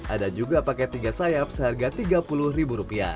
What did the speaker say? ada juga paket tiga sayap seharga tiga puluh ribu rupiah